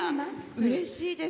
うれしいです。